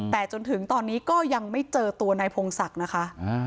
แต่จนถึงตอนนี้ก็ยังไม่เจอตัวนายพงศักดิ์นะคะ